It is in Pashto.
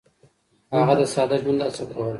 هغه د ساده ژوند هڅه کوله.